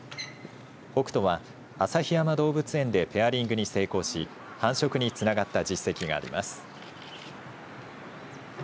ホクトは旭山動物園でペアリングに成功し繁殖につながった実績があります。